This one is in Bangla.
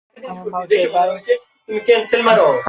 আমার মাল চাই, বাল!